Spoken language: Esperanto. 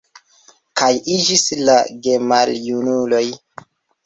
Kiaj iĝis la gemaljunuloj?